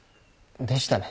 でしたね